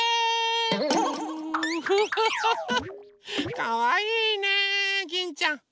かわいいねギンちゃん。